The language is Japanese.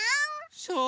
そう。